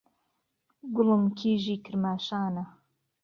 گوڵم کیژی کرماشانا